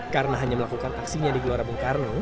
karena hanya melakukan aksinya di gelora bung karno